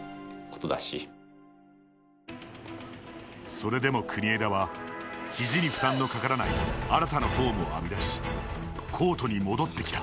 それでも国枝は肘に負担のかからない新たなフォームを編み出しコートに戻ってきた。